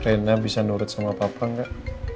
rena bisa nurut sama papa nggak